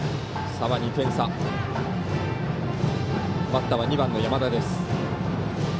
バッターは２番の山田です。